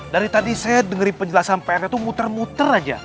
dari tadi saya dengerin penjelasan pr nya itu muter muter aja